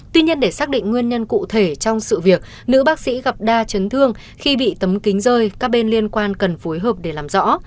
tuy nhiên để xác định nguyên nhân cụ thể trong sự việc nữ bác sĩ gặp đa chấn thương khi bị tấm kính rơi các bên liên quan cần phối hợp để làm rõ